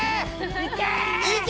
いけ！